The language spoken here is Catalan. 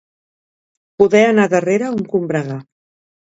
Poder anar darrere un combregar.